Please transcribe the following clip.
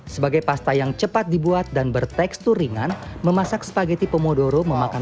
sebagai pasta yang cepat dibuat dan bertekstur ringan memasak spaghty pomodoro memakan